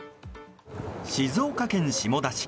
静岡県下田市。